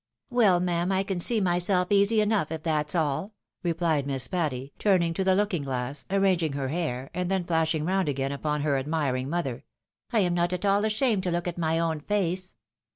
" Well, ma'am, I can see myself easy enough, if that's aU," rephed Miss Patty, turning to the looking glass, arranging her hair, and then flashing round again upon her admiring mother, " I am not at all ashamed to look at my own face."